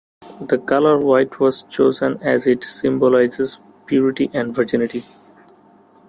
The colour white was chosen as it symbolises purity and virginity.